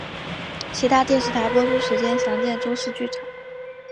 其他电视台播出时间详见周四剧场。